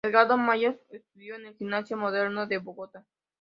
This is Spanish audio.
Edgardo Maya estudió en el Gimnasio Moderno de Bogotá.